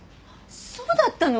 そうだったの？